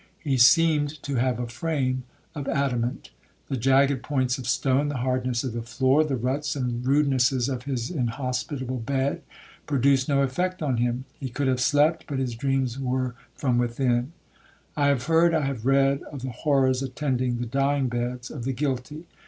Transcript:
He seemed to have a frame of adamant. The jagged points of stone, the hardness of the floor, the ruts and rudenesses of his inhospitable bed, produced no effect on him. He could have slept, but his dreams were from within. I have heard, I have read, of the horrors attending the dying beds of the guilty.